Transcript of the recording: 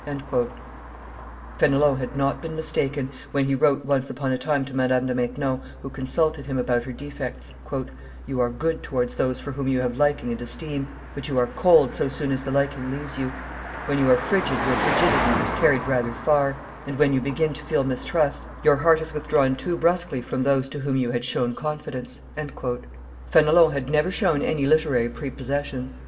Fenelon had not been mistaken, when he wrote once upon a time to Madame de Maintenon, who consulted him about her defects, "You are good towards those for whom you have liking and esteem, but you are cold so soon as the liking leaves you; when you are frigid your frigidity is carried rather far, and, when you begin to feel mistrust, your heart is withdrawn too brusquely from those to whom you had shown confidence." Fenelon had never shown any literary prepossessions.